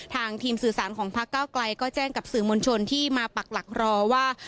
ทางทีมสื่อสารของพักเก้าไกลก็แจ้งกับสื่อมวลชนที่มาปักหลักรอว่า